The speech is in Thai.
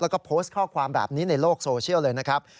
แล้วก็โพสต์ข้อความแบบนี้ในโลกโซเชียลเลยนะครับ